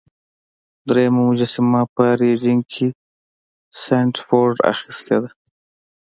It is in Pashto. دریمه مجسمه په ریډینګ کې سنډفورډ اخیستې ده.